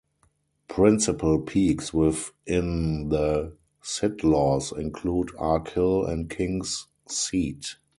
Principal peaks within the Sidlaws include Ark Hill and King's Seat.